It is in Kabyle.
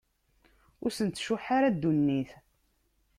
Ur asen-tcuḥḥ ara ddunit.